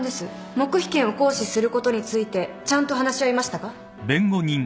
黙秘権を行使することについてちゃんと話し合いましたか。